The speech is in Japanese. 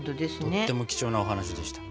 とっても貴重なお話でした。